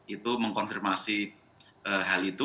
itu mengkonfirmasi hal itu